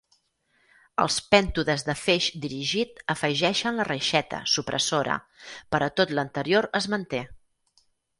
Els pèntodes de feix dirigit afegeixen la reixeta supressora, però tot l'anterior es manté.